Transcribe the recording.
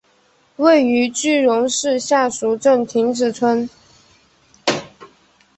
位于句容市下蜀镇亭子村。